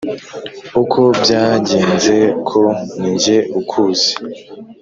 uko byagenze ko ni jye ukuzi.